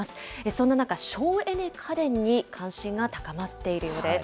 そんな中、省エネ家電に関心が高まっているようです。